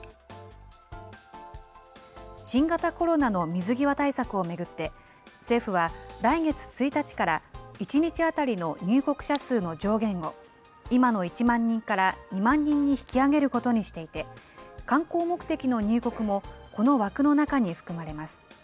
新型コロナの水際対策を巡って、政府は来月１日から１日当たりの入国者数の上限を、今の１万人から２万人に引き上げることにしていて、観光目的の入国も、この枠の中に含まれます。